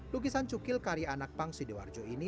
lukisan cukil karya anak pang sidoarjo ini